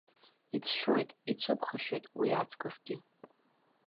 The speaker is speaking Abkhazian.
Ицәшәоит, ицәыԥхашьоит, уи аҵкысгьы.